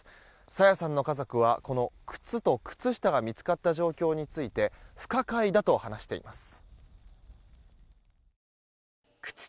朝芽さんの家族はこの靴と靴下が見つかった状況について不可解だと話しています。